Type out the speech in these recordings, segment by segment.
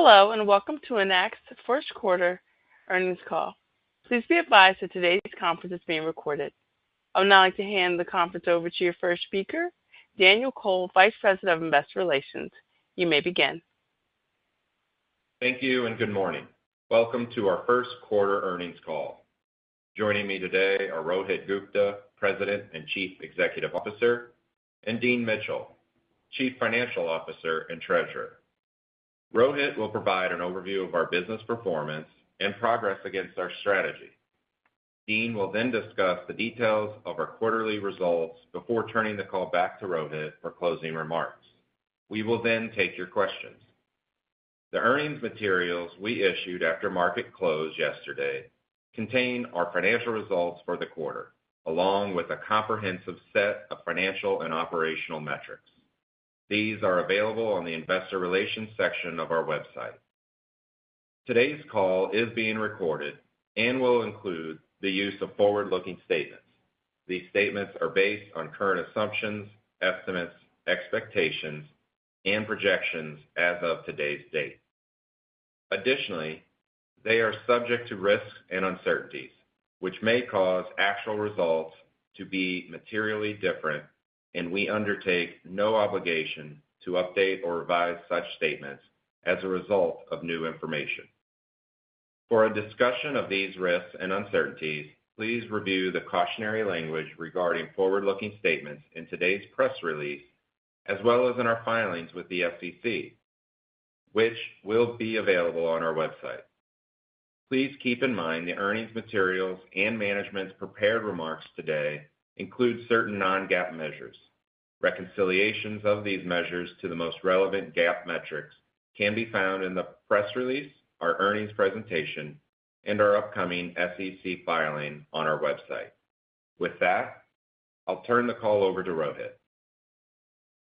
Hello, and welcome to Enact's first quarter earnings call. Please be advised that today's conference is being recorded. I would now like to hand the conference over to your first speaker, Daniel Kohl, Vice President of Investor Relations. You may begin. Thank you, and good morning. Welcome to our first quarter earnings call. Joining me today are Rohit Gupta, President and Chief Executive Officer, and Dean Mitchell, Chief Financial Officer and Treasurer. Rohit will provide an overview of our business performance and progress against our strategy. Dean will then discuss the details of our quarterly results before turning the call back to Rohit for closing remarks. We will then take your questions. The earnings materials we issued after market close yesterday contain our financial results for the quarter, along with a comprehensive set of financial and operational metrics. These are available on the Investor Relations section of our website. Today's call is being recorded and will include the use of forward-looking statements. These statements are based on current assumptions, estimates, expectations, and projections as of today's date. Additionally, they are subject to risks and uncertainties, which may cause actual results to be materially different, and we undertake no obligation to update or revise such statements as a result of new information. For a discussion of these risks and uncertainties, please review the cautionary language regarding forward-looking statements in today's press release, as well as in our filings with the SEC, which will be available on our website. Please keep in mind the earnings materials and management's prepared remarks today include certain non-GAAP measures. Reconciliations of these measures to the most relevant GAAP metrics can be found in the press release, our earnings presentation, and our upcoming SEC filing on our website. With that, I'll turn the call over to Rohit.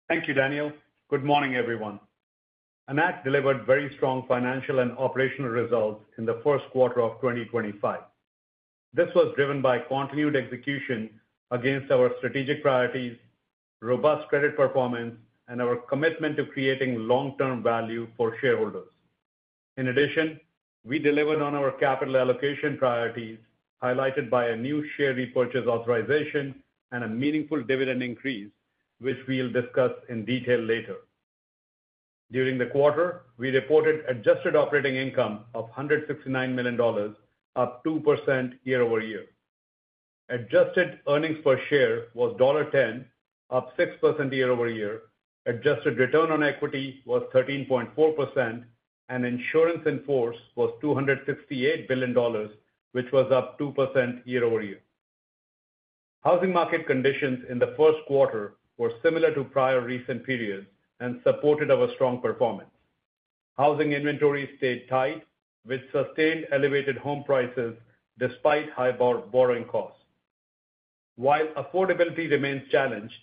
Thank you, Daniel. Good morning, everyone. Enact delivered very strong financial and operational results in the first quarter of 2025. This was driven by continued execution against our strategic priorities, robust credit performance, and our commitment to creating long-term value for shareholders. In addition, we delivered on our capital allocation priorities, highlighted by a new share repurchase authorization and a meaningful dividend increase, which we'll discuss in detail later. During the quarter, we reported adjusted operating income of $169 million, up 2% year-over-year. Adjusted earnings per share was $1.10, up 6% year-over-year. Adjusted return on equity was 13.4%, and insurance in force was $268 billion, which was up 2% year-over-year. Housing market conditions in the first quarter were similar to prior recent periods and supported our strong performance. Housing inventory stayed tight, which sustained elevated home prices despite high borrowing costs. While affordability remains challenged,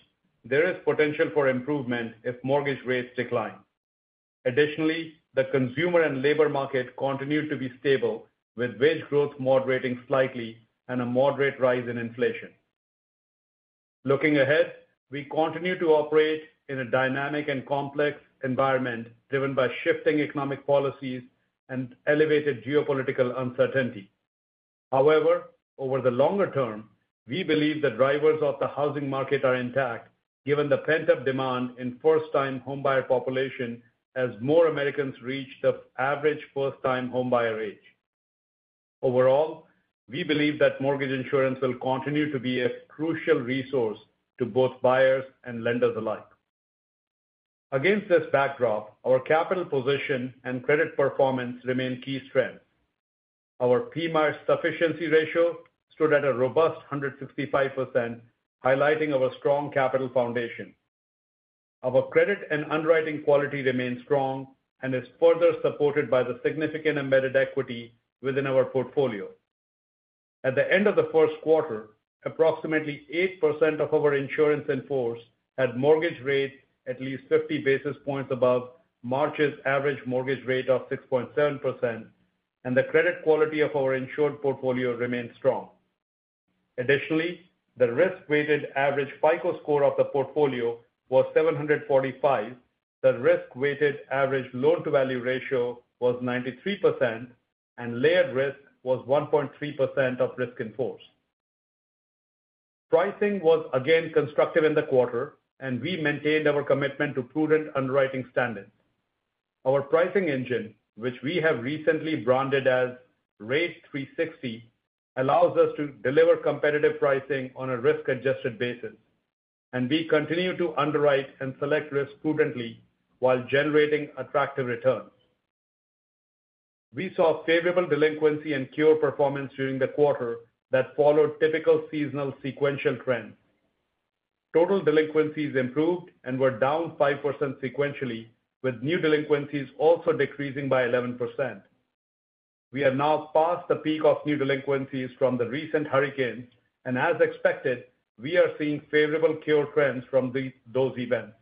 there is potential for improvement if mortgage rates decline. Additionally, the consumer and labor market continued to be stable, with wage growth moderating slightly and a moderate rise in inflation. Looking ahead, we continue to operate in a dynamic and complex environment driven by shifting economic policies and elevated geopolitical uncertainty. However, over the longer term, we believe the drivers of the housing market are intact, given the pent-up demand in first-time homebuyer population as more Americans reach the average first-time homebuyer age. Overall, we believe that mortgage insurance will continue to be a crucial resource to both buyers and lenders alike. Against this backdrop, our capital position and credit performance remain key strengths. Our PMIERs sufficiency ratio stood at a robust 165%, highlighting our strong capital foundation. Our credit and underwriting quality remains strong and is further supported by the significant embedded equity within our portfolio. At the end of the first quarter, approximately 8% of our insurance in force had mortgage rates at least 50 basis points above March's average mortgage rate of 6.7%, and the credit quality of our insured portfolio remained strong. Additionally, the risk-weighted average FICO score of the portfolio was 745, the risk-weighted average loan-to-value ratio was 93%, and layered risk was 1.3% of risk in force. Pricing was again constructive in the quarter, and we maintained our commitment to prudent underwriting standards. Our pricing engine, which we have recently branded as Rate360, allows us to deliver competitive pricing on a risk-adjusted basis, and we continue to underwrite and select risk prudently while generating attractive returns. We saw favorable delinquency and cure performance during the quarter that followed typical seasonal sequential trends. Total delinquencies improved and were down 5% sequentially, with new delinquencies also decreasing by 11%. We are now past the peak of new delinquencies from the recent hurricanes, and as expected, we are seeing favorable cure trends from those events.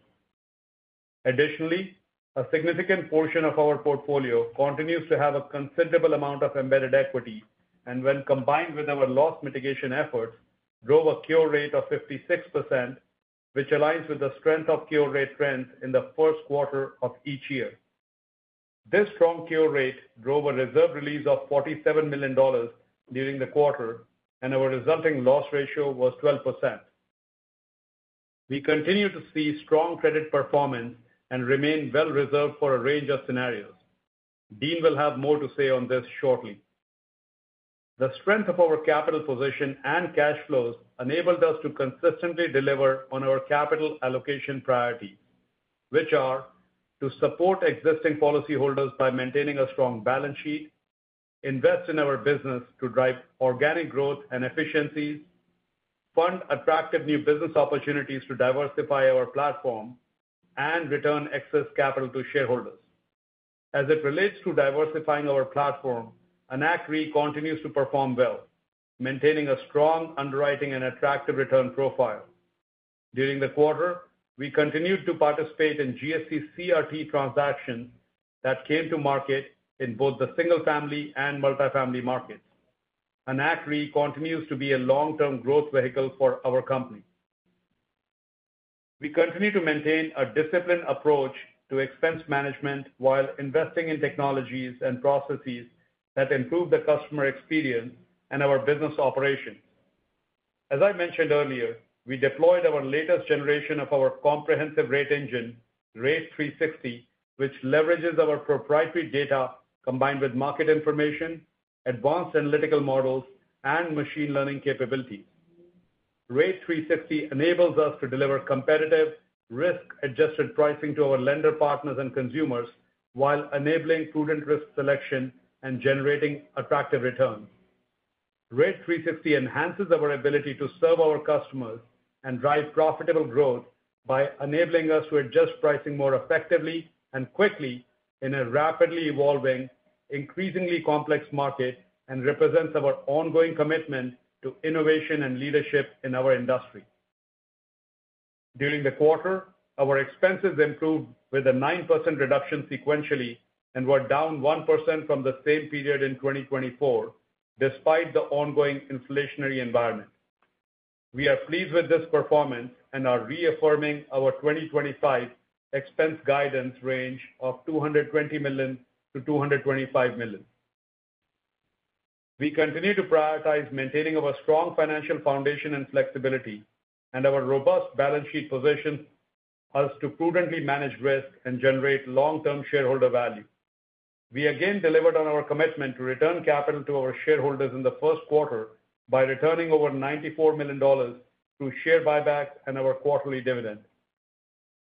Additionally, a significant portion of our portfolio continues to have a considerable amount of embedded equity, and when combined with our loss mitigation efforts, drove a cure rate of 56%, which aligns with the strength of cure rate trends in the first quarter of each year. This strong cure rate drove a reserve release of $47 million during the quarter, and our resulting loss ratio was 12%. We continue to see strong credit performance and remain well-reserved for a range of scenarios. Dean will have more to say on this shortly. The strength of our capital position and cash flows enabled us to consistently deliver on our capital allocation priorities, which are to support existing policyholders by maintaining a strong balance sheet, invest in our business to drive organic growth and efficiencies, fund attractive new business opportunities to diversify our platform, and return excess capital to shareholders. As it relates to diversifying our platform, Enact Re continues to perform well, maintaining a strong underwriting and attractive return profile. During the quarter, we continued to participate in GSE CRT transactions that came to market in both the single-family and multifamily markets. Enact Re continues to be a long-term growth vehicle for our company. We continue to maintain a disciplined approach to expense management while investing in technologies and processes that improve the customer experience and our business operations. As I mentioned earlier, we deployed our latest generation of our comprehensive rate engine, Rate360, which leverages our proprietary data combined with market information, advanced analytical models, and machine learning capabilities. Rate360 enables us to deliver competitive, risk-adjusted pricing to our lender partners and consumers while enabling prudent risk selection and generating attractive returns. Rate360 enhances our ability to serve our customers and drive profitable growth by enabling us to adjust pricing more effectively and quickly in a rapidly evolving, increasingly complex market and represents our ongoing commitment to innovation and leadership in our industry. During the quarter, our expenses improved with a 9% reduction sequentially and were down 1% from the same period in 2024, despite the ongoing inflationary environment. We are pleased with this performance and are reaffirming our 2025 expense guidance range of $220 million-$225 million. We continue to prioritize maintaining our strong financial foundation and flexibility, and our robust balance sheet positions us to prudently manage risk and generate long-term shareholder value. We again delivered on our commitment to return capital to our shareholders in the first quarter by returning over $94 million through share buybacks and our quarterly dividend.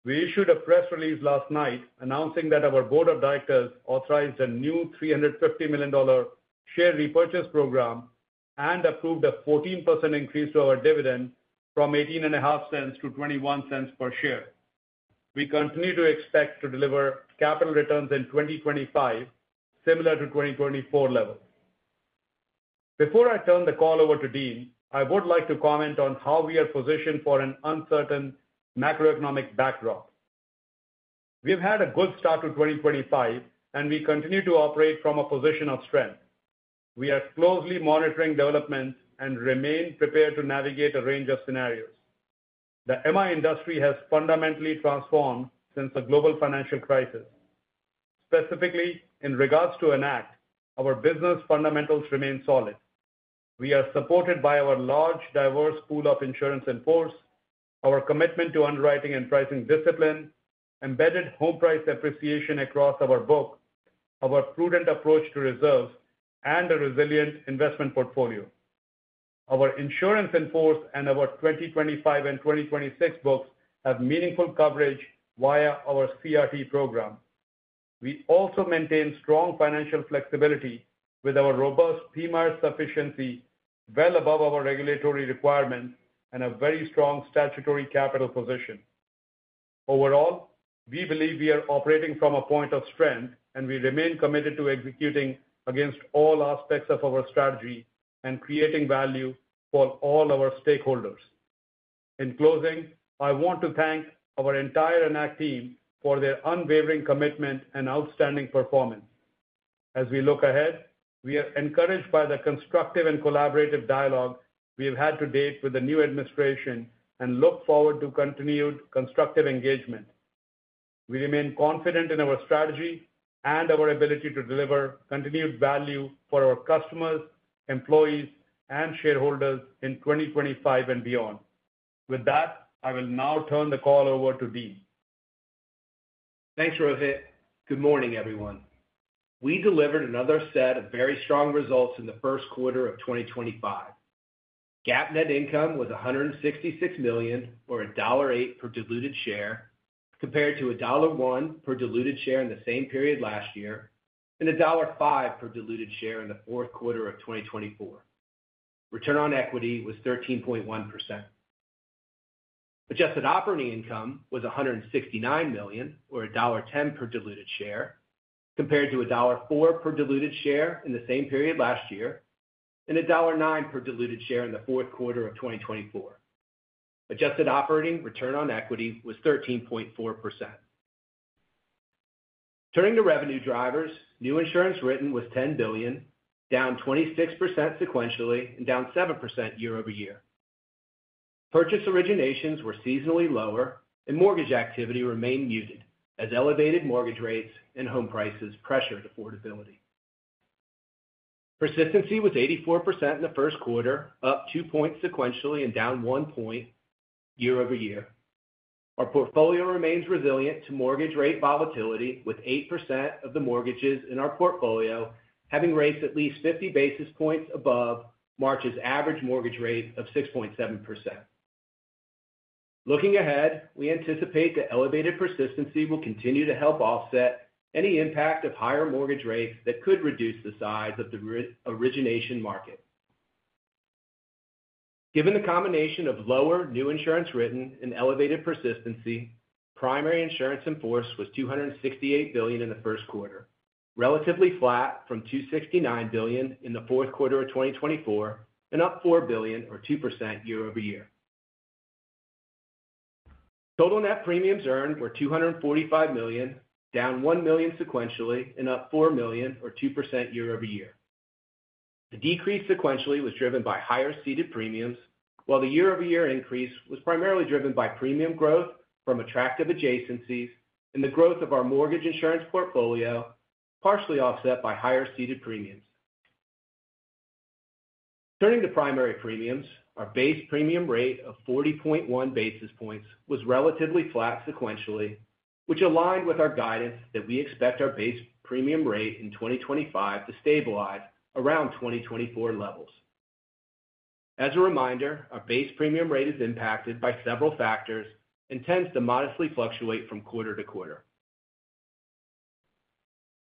We issued a press release last night announcing that our Board of Directors authorized a new $350 million share repurchase program and approved a 14% increase to our dividend from $0.1850 to $0.21 per share. We continue to expect to deliver capital returns in 2025, similar to 2024 levels. Before I turn the call over to Dean, I would like to comment on how we are positioned for an uncertain macroeconomic backdrop. We have had a good start to 2025, and we continue to operate from a position of strength. We are closely monitoring developments and remain prepared to navigate a range of scenarios. The MI industry has fundamentally transformed since the global financial crisis. Specifically, in regards to Enact, our business fundamentals remain solid. We are supported by our large, diverse pool of insurance in force, our commitment to underwriting and pricing discipline, embedded home price appreciation across our book, our prudent approach to reserves, and a resilient investment portfolio. Our insurance in force and our 2025 and 2026 books have meaningful coverage via our CRT program. We also maintain strong financial flexibility with our robust PMIERs sufficiency, well above our regulatory requirements, and a very strong statutory capital position. Overall, we believe we are operating from a point of strength, and we remain committed to executing against all aspects of our strategy and creating value for all our stakeholders. In closing, I want to thank our entire Enact team for their unwavering commitment and outstanding performance. As we look ahead, we are encouraged by the constructive and collaborative dialogue we have had to date with the new administration and look forward to continued constructive engagement. We remain confident in our strategy and our ability to deliver continued value for our customers, employees, and shareholders in 2025 and beyond. With that, I will now turn the call over to Dean. Thanks, Rohit. Good morning, everyone. We delivered another set of very strong results in the first quarter of 2025. GAAP net income was $166 million, or $1.08 per diluted share, compared to $1.01 per diluted share in the same period last year and $1.05 per diluted share in the fourth quarter of 2024. Return on equity was 13.1%. Adjusted operating income was $169 million, or $1.10 per diluted share, compared to $1.04 per diluted share in the same period last year and $1.09 per diluted share in the fourth quarter of 2024. Adjusted operating return on equity was 13.4%. Turning to revenue drivers, new insurance written was $10 billion, down 26% sequentially and down 7% year-over-year. Purchase originations were seasonally lower, and mortgage activity remained muted as elevated mortgage rates and home prices pressured affordability. Persistency was 84% in the first quarter, up 2 points sequentially and down 1 point year-over-year. Our portfolio remains resilient to mortgage rate volatility, with 8% of the mortgages in our portfolio having rates at least 50 basis points above March's average mortgage rate of 6.7%. Looking ahead, we anticipate that elevated persistency will continue to help offset any impact of higher mortgage rates that could reduce the size of the origination market. Given the combination of lower new insurance written and elevated persistency, primary insurance in force was $268 billion in the first quarter, relatively flat from $269 billion in the fourth quarter of 2024 and up $4 billion, or 2% year-over-year. Total net premiums earned were $245 million, down $1 million sequentially and up $4 million, or 2% year-over-year. The decrease sequentially was driven by higher ceded premiums, while the year-over-year increase was primarily driven by premium growth from attractive adjacencies and the growth of our mortgage insurance portfolio, partially offset by higher ceded premiums. Turning to primary premiums, our base premium rate of 40.1 basis points was relatively flat sequentially, which aligned with our guidance that we expect our base premium rate in 2025 to stabilize around 2024 levels. As a reminder, our base premium rate is impacted by several factors and tends to modestly fluctuate from quarter to quarter.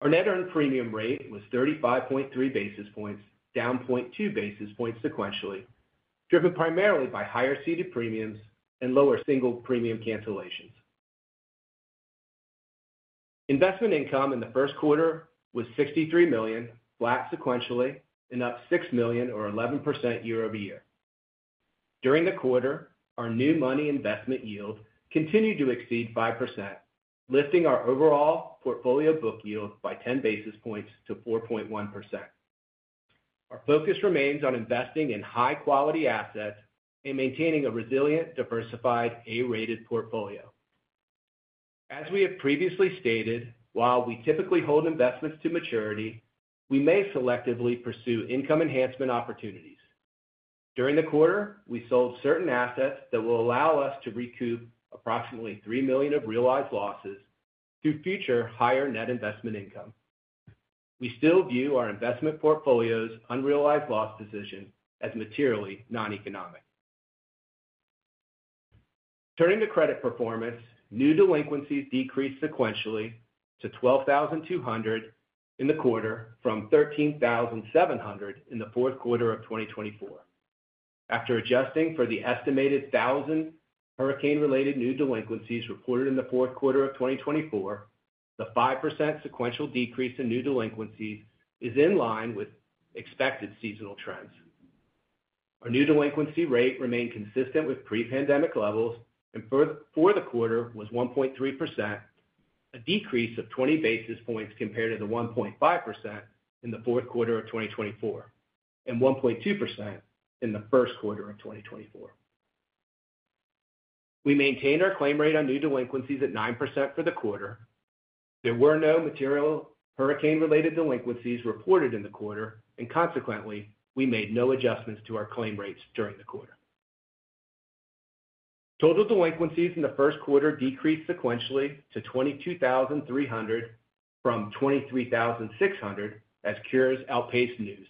Our net earned premium rate was 35.3 basis points, down 0.2 basis points sequentially, driven primarily by higher ceded premiums and lower single premium cancellations. Investment income in the first quarter was $63 million, flat sequentially and up $6 million, or 11% year-over-year. During the quarter, our new money investment yield continued to exceed 5%, lifting our overall portfolio book yield by 10 basis points to 4.1%. Our focus remains on investing in high-quality assets and maintaining a resilient, diversified, A-rated portfolio. As we have previously stated, while we typically hold investments to maturity, we may selectively pursue income enhancement opportunities. During the quarter, we sold certain assets that will allow us to recoup approximately $3 million of realized losses through future higher net investment income. We still view our investment portfolio's unrealized loss position as materially non-economic. Turning to credit performance, new delinquencies decreased sequentially to 12,200 in the quarter from 13,700 in the fourth quarter of 2024. After adjusting for the estimated 1,000 hurricane-related new delinquencies reported in the fourth quarter of 2024, the 5% sequential decrease in new delinquencies is in line with expected seasonal trends. Our new delinquency rate remained consistent with pre-pandemic levels and for the quarter was 1.3%, a decrease of 20 basis points compared to the 1.5% in the fourth quarter of 2024 and 1.2% in the first quarter of 2024. We maintained our claim rate on new delinquencies at 9% for the quarter. There were no material hurricane-related delinquencies reported in the quarter, and consequently, we made no adjustments to our claim rates during the quarter. Total delinquencies in the first quarter decreased sequentially to 22,300 from 23,600 as cures outpaced news.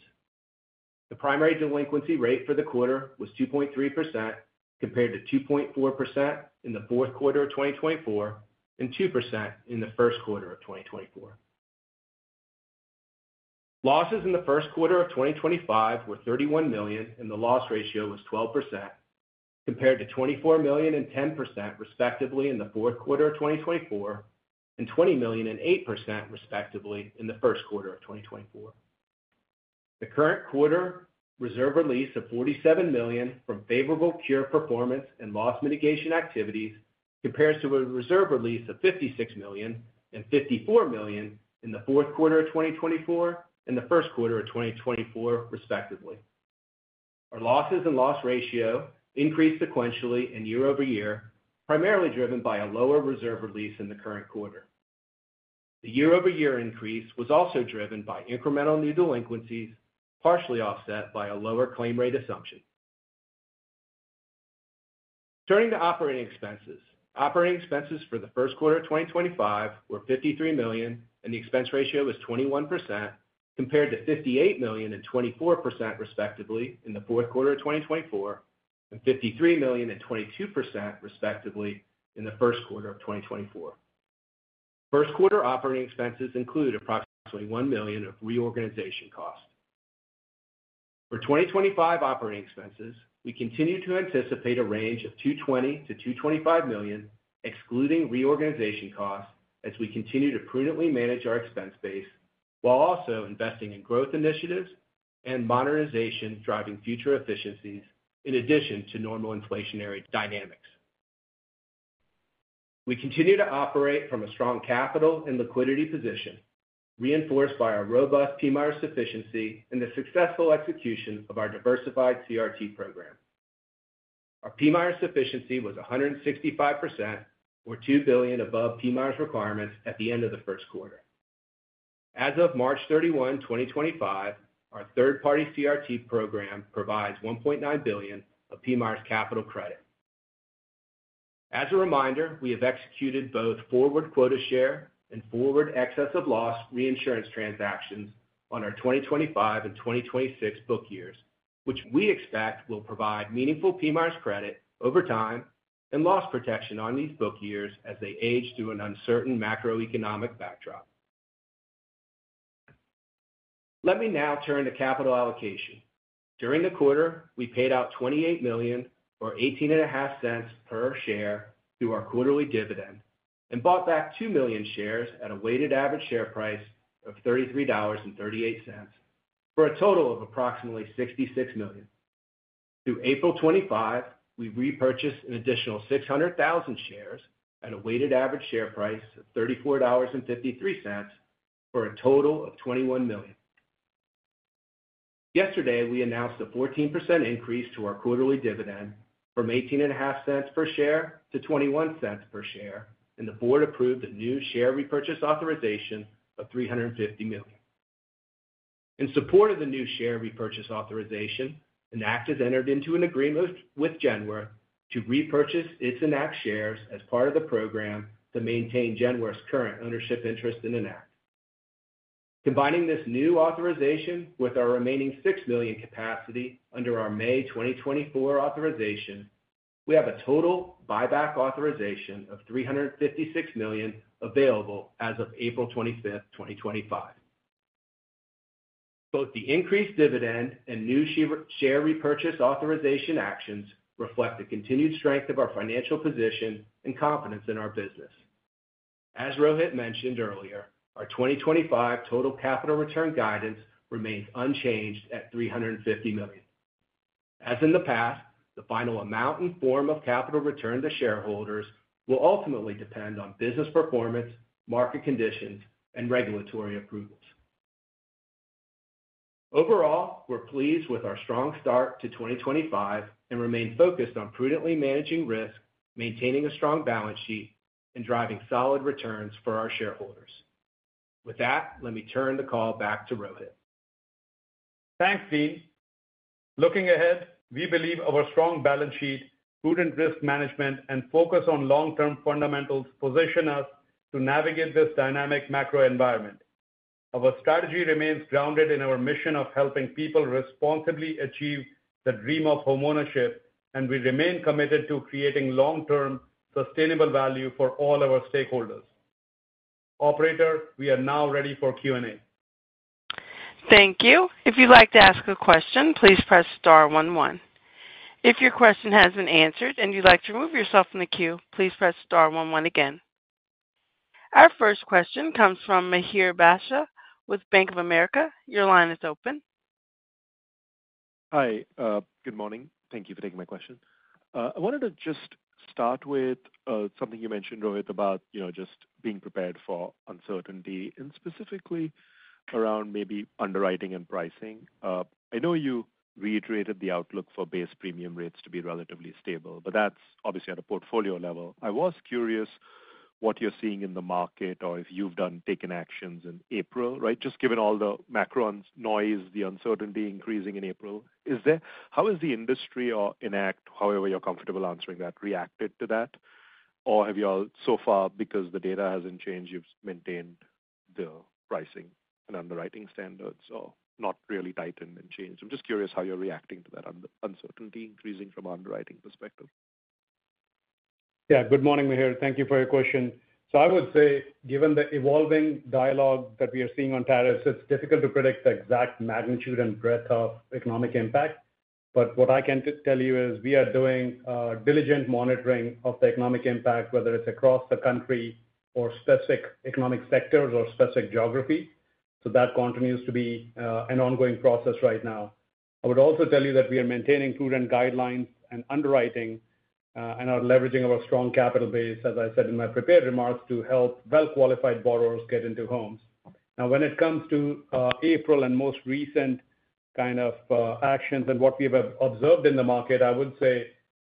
The primary delinquency rate for the quarter was 2.3% compared to 2.4% in the fourth quarter of 2024 and 2% in the first quarter of 2024. Losses in the first quarter of 2025 were $31 million, and the loss ratio was 12% compared to $24 million and 10% respectively in the fourth quarter of 2024 and $20 million and 8% respectively in the first quarter of 2024. The current quarter reserve release of $47 million from favorable cure performance and loss mitigation activities compares to a reserve release of $56 million and $54 million in the fourth quarter of 2024 and the first quarter of 2024 respectively. Our losses and loss ratio increased sequentially and year-over-year, primarily driven by a lower reserve release in the current quarter. The year-over-year increase was also driven by incremental new delinquencies, partially offset by a lower claim rate assumption. Turning to operating expenses, operating expenses for the first quarter of 2025 were $53 million, and the expense ratio was 21% compared to $58 million and 24% respectively in the fourth quarter of 2024 and $53 million and 22% respectively in the first quarter of 2024. First quarter operating expenses include approximately $1 million of reorganization cost. For 2025 operating expenses, we continue to anticipate a range of $220 million-$225 million, excluding reorganization cost, as we continue to prudently manage our expense base while also investing in growth initiatives and modernization driving future efficiencies in addition to normal inflationary dynamics. We continue to operate from a strong capital and liquidity position, reinforced by our robust PMIERs sufficiency and the successful execution of our diversified Credit Risk Transfer program. Our PMIERs sufficiency was 165%, or $2 billion above PMI requirements at the end of the first quarter. As of March 31, 2025, our third-party CRT program provides $1.9 billion of PMI capital credit. As a reminder, we have executed both forward quota share and forward excess of loss reinsurance transactions on our 2025 and 2026 book years, which we expect will provide meaningful PMI credit over time and loss protection on these book years as they age through an uncertain macroeconomic backdrop. Let me now turn to capital allocation. During the quarter, we paid out $28 million, or $18.50 per share, through our quarterly dividend and bought back 2 million shares at a weighted average share price of $33.38 for a total of approximately $66 million. Through April 25, we repurchased an additional 600,000 shares at a weighted average share price of $34.53 for a total of $21 million. Yesterday, we announced a 14% increase to our quarterly dividend from $0.1850 per share to $0.21 per share, and the board approved a new share repurchase authorization of $350 million. In support of the new share repurchase authorization, Enact has entered into an agreement with Genworth to repurchase its Enact shares as part of the program to maintain Genworth's current ownership interest in Enact. Combining this new authorization with our remaining $6 million capacity under our May 2024 authorization, we have a total buyback authorization of $356 million available as of April 25, 2025. Both the increased dividend and new share repurchase authorization actions reflect the continued strength of our financial position and confidence in our business. As Rohit mentioned earlier, our 2025 total capital return guidance remains unchanged at $350 million. As in the past, the final amount and form of capital return to shareholders will ultimately depend on business performance, market conditions, and regulatory approvals. Overall, we're pleased with our strong start to 2025 and remain focused on prudently managing risk, maintaining a strong balance sheet, and driving solid returns for our shareholders. With that, let me turn the call back to Rohit. Thanks, Dean. Looking ahead, we believe our strong balance sheet, prudent risk management, and focus on long-term fundamentals position us to navigate this dynamic macro environment. Our strategy remains grounded in our mission of helping people responsibly achieve the dream of homeownership, and we remain committed to creating long-term sustainable value for all our stakeholders. Operator, we are now ready for Q&A. Thank you. If you'd like to ask a question, please press star one one. If your question has been answered and you'd like to remove yourself from the queue, please press star one one again. Our first question comes from Mihir Bhatia with Bank of America. Your line is open. Hi, good morning. Thank you for taking my question. I wanted to just start with something you mentioned, Rohit, about just being prepared for uncertainty and specifically around maybe underwriting and pricing. I know you reiterated the outlook for base premium rates to be relatively stable, but that's obviously at a portfolio level. I was curious what you're seeing in the market or if you've taken actions in April, right? Just given all the macro noise, the uncertainty increasing in April, how has the industry or Enact, however you're comfortable answering that, reacted to that? Or have you all so far, because the data hasn't changed, you've maintained the pricing and underwriting standards or not really tightened and changed? I'm just curious how you're reacting to that uncertainty increasing from an underwriting perspective. Yeah, good morning, Mihir. Thank you for your question. I would say, given the evolving dialogue that we are seeing on tariffs, it's difficult to predict the exact magnitude and breadth of economic impact. What I can tell you is we are doing diligent monitoring of the economic impact, whether it's across the country or specific economic sectors or specific geography. That continues to be an ongoing process right now. I would also tell you that we are maintaining prudent guidelines and underwriting and are leveraging our strong capital base, as I said in my prepared remarks, to help well-qualified borrowers get into homes. Now, when it comes to April and most recent kind of actions and what we have observed in the market, I would say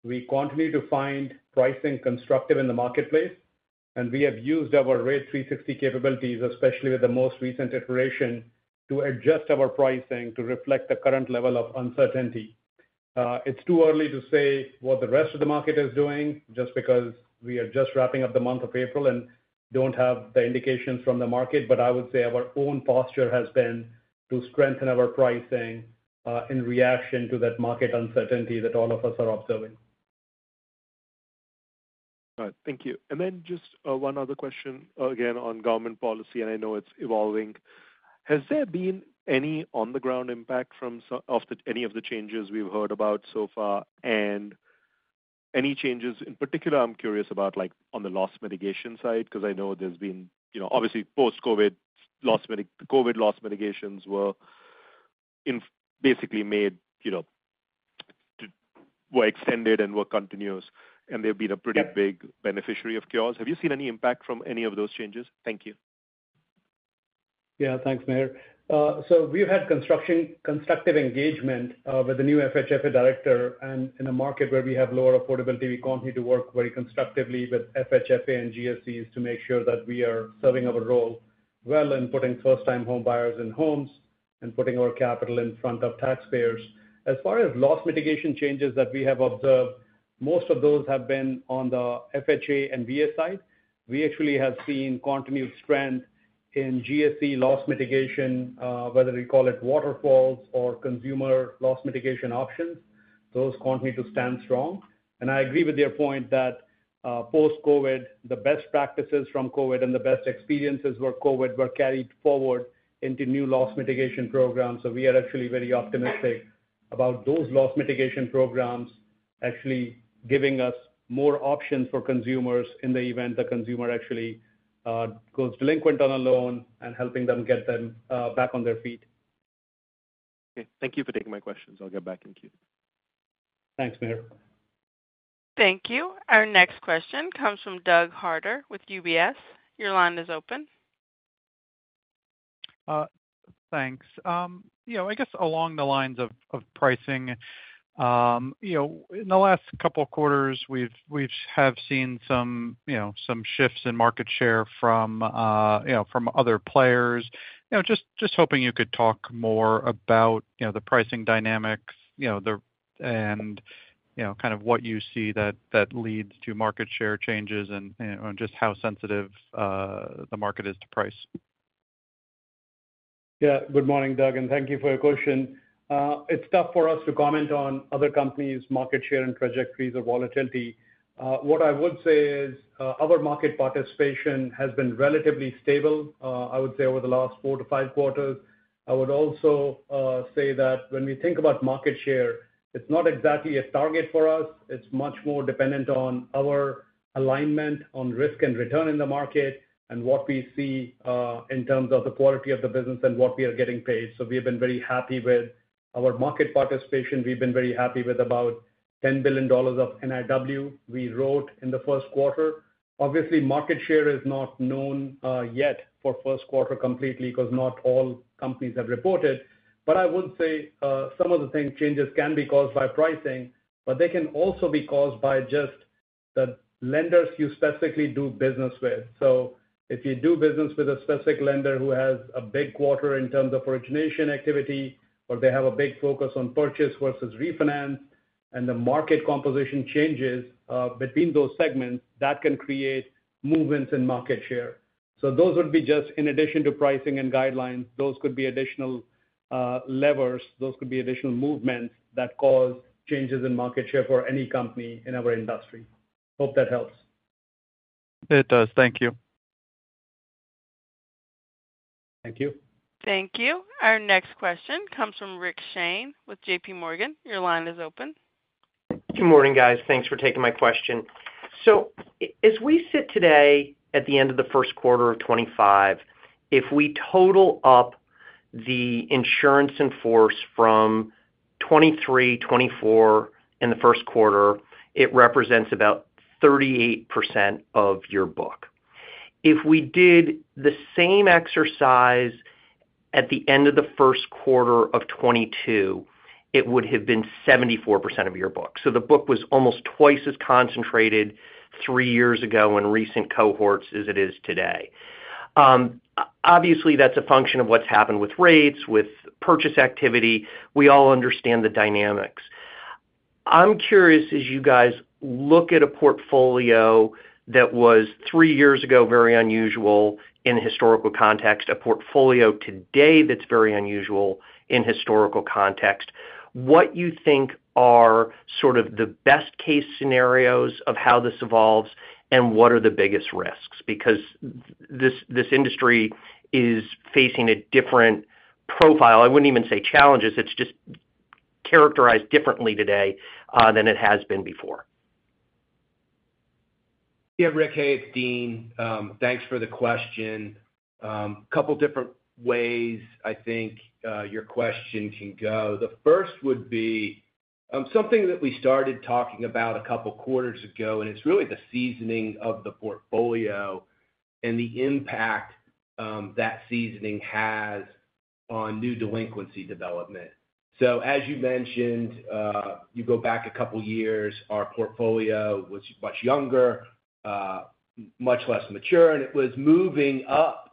we continue to find pricing constructive in the marketplace, and we have used our Rate360 capabilities, especially with the most recent iteration, to adjust our pricing to reflect the current level of uncertainty. It's too early to say what the rest of the market is doing just because we are just wrapping up the month of April and don't have the indications from the market, but I would say our own posture has been to strengthen our pricing in reaction to that market uncertainty that all of us are observing. Excellent. Thank you. Just one other question again on government policy, and I know it's evolving. Has there been any on-the-ground impact of any of the changes we've heard about so far and any changes in particular? I'm curious about on the loss mitigation side because I know there's been obviously post-COVID loss mitigations were basically made, were extended, and were continuous, and they've been a pretty big beneficiary of cures. Have you seen any impact from any of those changes? Thank you. Yeah, thanks, Mihir. We have had constructive engagement with the new FHFA Director, and in a market where we have lower affordability, we continue to work very constructively with FHFA and GSEs to make sure that we are serving our role well in putting first-time homebuyers in homes and putting our capital in front of taxpayers. As far as loss mitigation changes that we have observed, most of those have been on the FHA and VA side. We actually have seen continued strength in GSE loss mitigation, whether we call it waterfalls or consumer loss mitigation options. Those continue to stand strong. I agree with your point that post-COVID, the best practices from COVID and the best experiences with COVID were carried forward into new loss mitigation programs. We are actually very optimistic about those loss mitigation programs actually giving us more options for consumers in the event the consumer actually goes delinquent on a loan and helping them get them back on their feet. Okay. Thank you for taking my questions. I'll get back in queue. Thanks, Mihir. Thank you. Our next question comes from Doug Harter with UBS. Your line is open. Thanks. Yeah, I guess along the lines of pricing, in the last couple of quarters, we have seen some shifts in market share from other players. Just hoping you could talk more about the pricing dynamics and kind of what you see that leads to market share changes and just how sensitive the market is to price. Yeah, good morning, Doug, and thank you for your question. It's tough for us to comment on other companies' market share and trajectories or volatility. What I would say is our market participation has been relatively stable, I would say, over the last four to five quarters. I would also say that when we think about market share, it's not exactly a target for us. It's much more dependent on our alignment on risk and return in the market and what we see in terms of the quality of the business and what we are getting paid. We have been very happy with our market participation. We've been very happy with about $10 billion of NIW we wrote in the first quarter. Obviously, market share is not known yet for first quarter completely because not all companies have reported. I would say some of the changes can be caused by pricing, but they can also be caused by just the lenders you specifically do business with. If you do business with a specific lender who has a big quarter in terms of origination activity, or they have a big focus on purchase versus refinance, and the market composition changes between those segments, that can create movements in market share. Those would be just in addition to pricing and guidelines. Those could be additional levers. Those could be additional movements that cause changes in market share for any company in our industry. Hope that helps. It does. Thank you. Thank you. Thank you. Our next question comes from Rick Shane with JPMorgan. Your line is open. Good morning, guys. Thanks for taking my question. As we sit today at the end of the first quarter of 2025, if we total up the insurance in force from 2023, 2024 and the first quarter, it represents about 38% of your book. If we did the same exercise at the end of the first quarter of 2022, it would have been 74% of your book. The book was almost twice as concentrated three years ago in recent cohorts as it is today. Obviously, that's a function of what's happened with rates, with purchase activity. We all understand the dynamics. I'm curious, as you guys look at a portfolio that was three years ago very unusual in historical context, a portfolio today that's very unusual in historical context, what you think are sort of the best-case scenarios of how this evolves and what are the biggest risks? Because this industry is facing a different profile. I would not even say challenges. It is just characterized differently today than it has been before. Yeah. Rick, hey it's Dean. Thanks for the question. A couple of different ways, I think, your question can go. The first would be something that we started talking about a couple of quarters ago, and it's really the seasoning of the portfolio and the impact that seasoning has on new delinquency development. As you mentioned, you go back a couple of years, our portfolio was much younger, much less mature, and it was moving up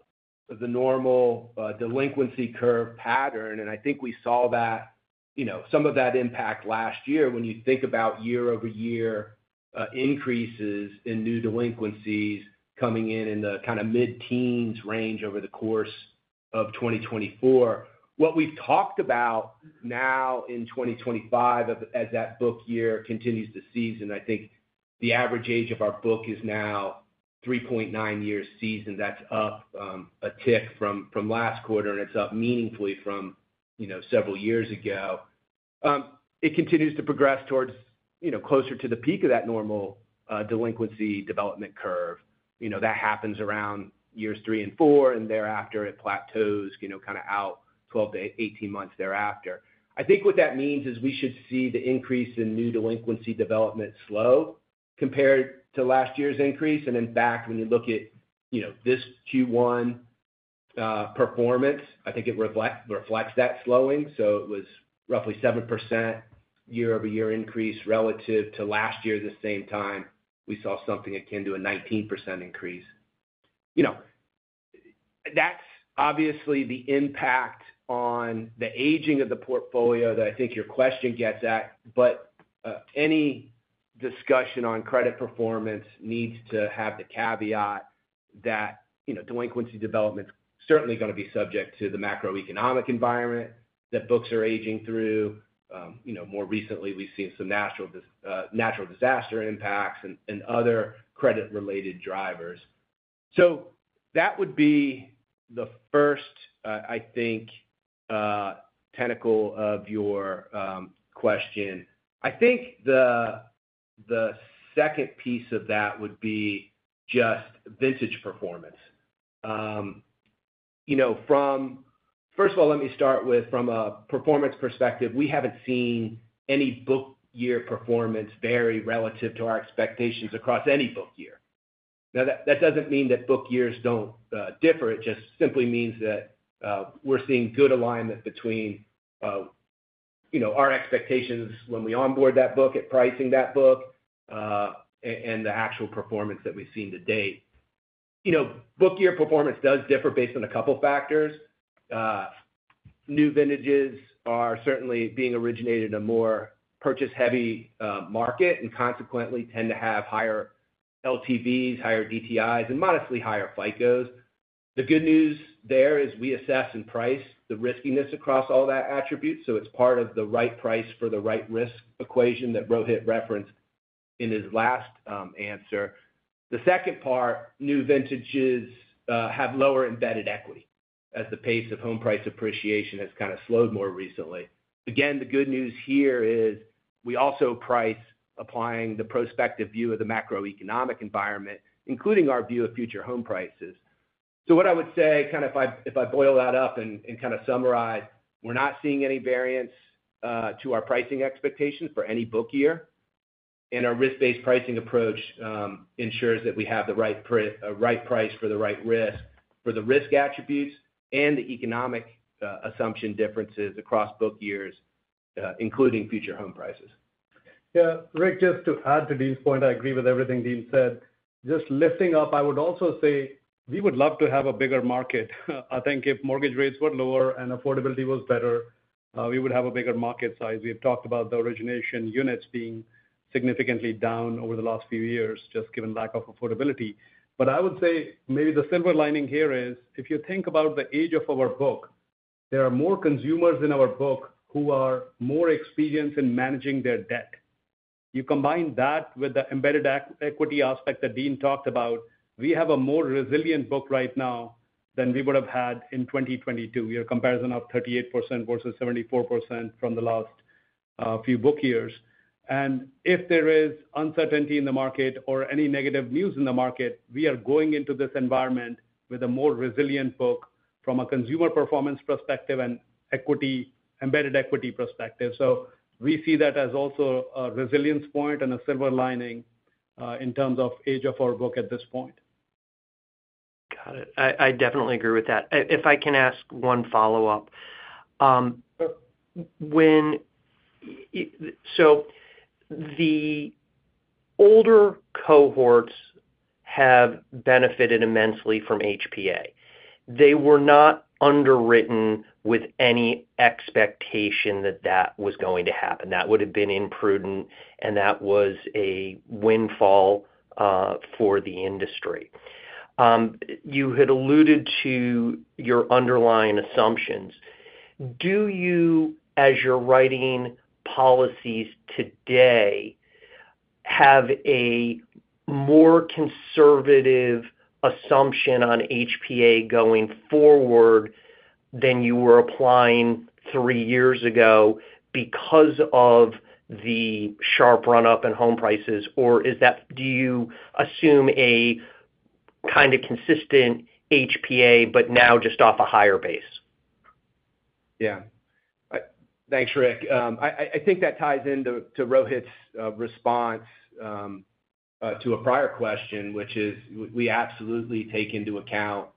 the normal delinquency curve pattern. I think we saw some of that impact last year when you think about year-over-year increases in new delinquencies coming in in the kind of mid-teens range over the course of 2024. What we've talked about now in 2025, as that book year continues to season, I think the average age of our book is now 3.9 years season. That's up a tick from last quarter, and it's up meaningfully from several years ago. It continues to progress towards closer to the peak of that normal delinquency development curve. That happens around years three and four, and thereafter it plateaus kind of out 12-18 months thereafter. I think what that means is we should see the increase in new delinquency development slow compared to last year's increase. In fact, when you look at this Q1 performance, I think it reflects that slowing. It was roughly a 7% year-over-year increase relative to last year. At the same time, we saw something akin to a 19% increase. That's obviously the impact on the aging of the portfolio that I think your question gets at. Any discussion on credit performance needs to have the caveat that delinquency development is certainly going to be subject to the macroeconomic environment that books are aging through. More recently, we've seen some natural disaster impacts and other credit-related drivers. That would be the first, I think, tentacle of your question. I think the second piece of that would be just vintage performance. First of all, let me start with, from a performance perspective, we haven't seen any book year performance vary relative to our expectations across any book year. That doesn't mean that book years don't differ. It just simply means that we're seeing good alignment between our expectations when we onboard that book, at pricing that book, and the actual performance that we've seen to date. Book year performance does differ based on a couple of factors. New vintages are certainly being originated in a more purchase-heavy market and consequently tend to have higher LTVs, higher DTIs, and modestly higher FICOs. The good news there is we assess and price the riskiness across all that attribute. It is part of the right price for the right risk equation that Rohit referenced in his last answer. The second part, new vintages have lower embedded equity as the pace of home price appreciation has kind of slowed more recently. The good news here is we also price applying the prospective view of the macroeconomic environment, including our view of future home prices. What I would say, kind of if I boil that up and kind of summarize, we're not seeing any variance to our pricing expectations for any book year, and our risk-based pricing approach ensures that we have the right price for the right risk for the risk attributes and the economic assumption differences across book years, including future home prices. Yeah, Rick, just to add to Dean's point, I agree with everything Dean said. Just lifting up, I would also say we would love to have a bigger market. I think if mortgage rates were lower and affordability was better, we would have a bigger market size. We've talked about the origination units being significantly down over the last few years just given lack of affordability. I would say maybe the silver lining here is if you think about the age of our book, there are more consumers in our book who are more experienced in managing their debt. You combine that with the embedded equity aspect that Dean talked about, we have a more resilient book right now than we would have had in 2022, a comparison of 38% versus 74% from the last few book years. If there is uncertainty in the market or any negative news in the market, we are going into this environment with a more resilient book from a consumer performance perspective and embedded equity perspective. We see that as also a resilience point and a silver lining in terms of age of our book at this point. Got it. I definitely agree with that. If I can ask one follow-up. The older cohorts have benefited immensely from HPA. They were not underwritten with any expectation that that was going to happen. That would have been imprudent, and that was a windfall for the industry. You had alluded to your underlying assumptions. Do you, as you're writing policies today, have a more conservative assumption on HPA going forward than you were applying three years ago because of the sharp run-up in home prices? Or do you assume a kind of consistent HPA, but now just off a higher base? Yeah. Thanks, Rick. I think that ties into Rohit's response to a prior question, which is we absolutely take into account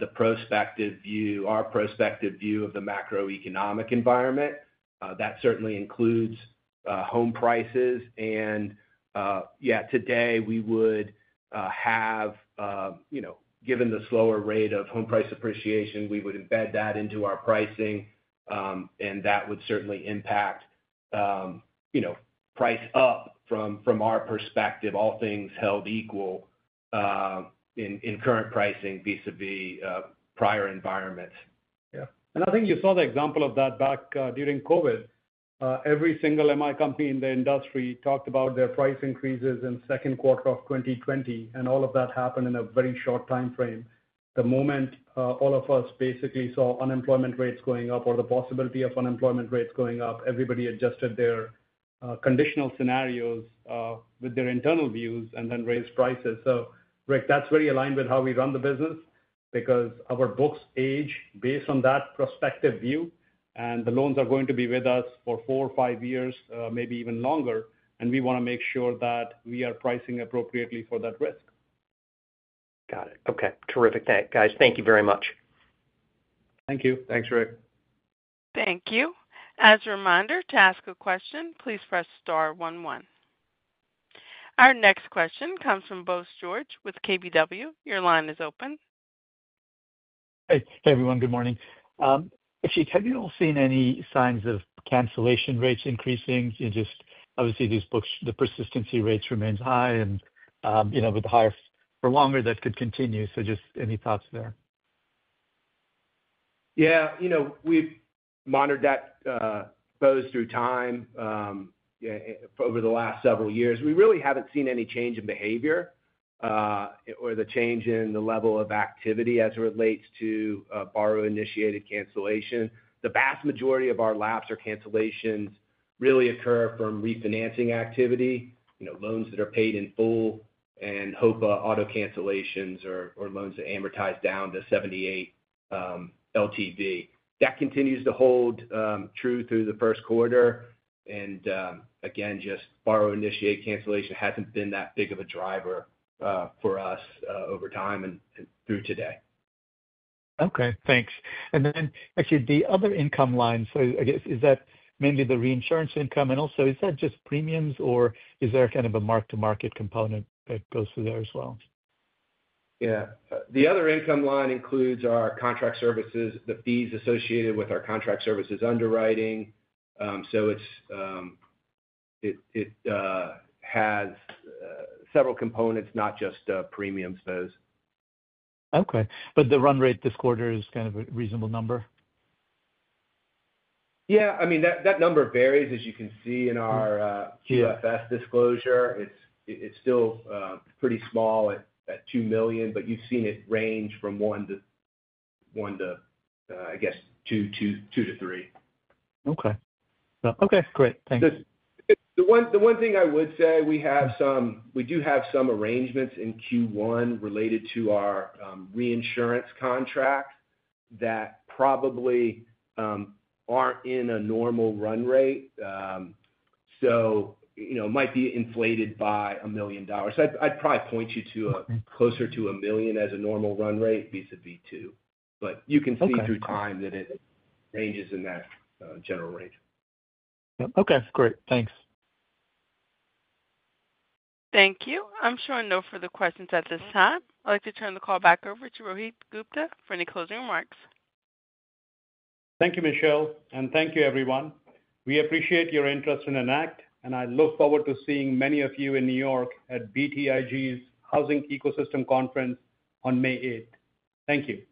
the prospective view, our prospective view of the macroeconomic environment. That certainly includes home prices. Yeah, today, we would have, given the slower rate of home price appreciation, we would embed that into our pricing, and that would certainly impact price up from our perspective, all things held equal in current pricing vis-à-vis prior environments. Yeah. I think you saw the example of that back during COVID. Every single MI company in the industry talked about their price increases in the second quarter of 2020, and all of that happened in a very short time frame. The moment all of us basically saw unemployment rates going up or the possibility of unemployment rates going up, everybody adjusted their conditional scenarios with their internal views and then raised prices. Rick, that's very aligned with how we run the business because our books age based on that prospective view, and the loans are going to be with us for four or five years, maybe even longer, and we want to make sure that we are pricing appropriately for that risk. Got it. Okay. Terrific. Thanks, guys. Thank you very much. Thank you. Thanks, Rick. Thank you. As a reminder, to ask a question, please press star one one. Our next question comes from Bose George with KBW. Your line is open. Hey, everyone. Good morning. Have you all seen any signs of cancellation rates increasing? Obviously, these books, the persistency rates remain high, and with the higher for longer, that could continue. Just any thoughts there? Yeah. We've monitored that post through time over the last several years. We really haven't seen any change in behavior or the change in the level of activity as it relates to borrower-initiated cancellation. The vast majority of our lapses or cancellations really occur from refinancing activity, loans that are paid in full, and HOPA auto cancellations or loans that amortize down to 78% LTV. That continues to hold true through the first quarter. Again, just borrower-initiated cancellation hasn't been that big of a driver for us over time and through today. Okay. Thanks. Actually, the other income line, I guess, is that mainly the reinsurance income? Also, is that just premiums, or is there kind of a mark-to-market component that goes through there as well? Yeah. The other income line includes our contract services, the fees associated with our contract services underwriting. It has several components, not just premiums, those. Okay. The run rate this quarter is kind of a reasonable number? Yeah. I mean, that number varies, as you can see in our QFS disclosure. It's still pretty small at $2 million, but you've seen it range from $1 million to, I guess, $2 million-$3 million. Okay. Okay. Great. Thanks. The one thing I would say, we do have some arrangements in Q1 related to our reinsurance contract that probably are not in a normal run rate. It might be inflated by $1 million. I would probably point you to closer to $1 million as a normal run rate vis-à-vis $2 million. You can see through time that it ranges in that general range. Okay. Great. Thanks. Thank you. I'm showing no further questions at this time. I'd like to turn the call back over to Rohit Gupta for any closing remarks. Thank you, Michelle. Thank you, everyone. We appreciate your interest in Enact, and I look forward to seeing many of you in New York at BTIG's Housing Ecosystem Conference on May 8th. Thank you.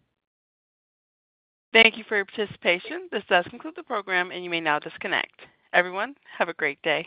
Thank you for your participation. This does conclude the program, and you may now disconnect. Everyone, have a great day.